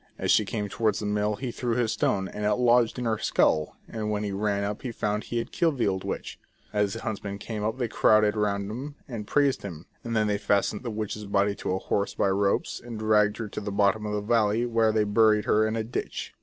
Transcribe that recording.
As she came towards the mill he threw his stone, and it lodged in her skull, and when he ran up he found he had killed the old witch. As the hunts men came up they crowded round him, and praised him ; and then they fastened the witch's body to a horse by ropes, and dragged her to the bottom of the valley, where they buried her in a ditch.